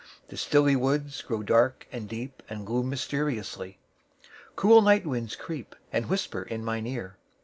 The stilly woods8Grow dark and deep, and gloom mysteriously.9Cool night winds creep, and whisper in mine ear.